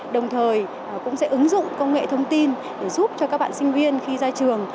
đồng thời cũng sẽ ứng dụng công nghệ thông tin để giúp cho các bạn sinh viên khi ra trường